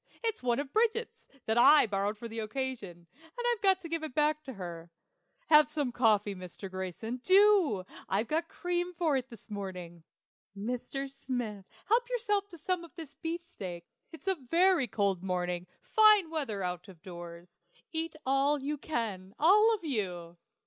It's one of Bridget's, that I borrowed for the occasion, and I've got to give it back to her. Have some coffee, Mr. Grayson do! I've got cream for it this morning. Mr. Smith, help yourself to some of the beefsteak. It's a very cold morning fine weather out of doors. Eat all you can, all of you.